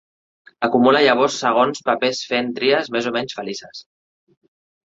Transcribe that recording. Acumula llavors segons papers fent tries més o menys felices.